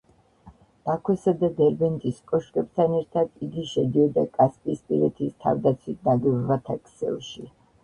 ბაქოსა და დერბენტის კოშკებთან ერთად იგი შედიოდა კასპიისპირეთის თავდაცვით ნაგებობათა ქსელში.